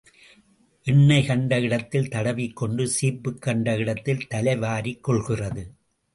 எண்ணெய் கண்ட இடத்தில் தடவிக் கொண்டு சீப்புக் கண்ட இடத்தில் தலை வாரிக் கொள்கிறது.